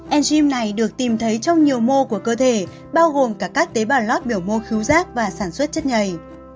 enzym này được tìm thấy trong nhiều mô của cơ thể bao gồm cả các tế bào lót biểu mô cứu rác và sản xuất chất nhầy